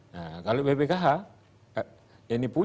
nah kalau bpkh punya apa anda kelapa sawit di indonesia